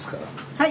はい。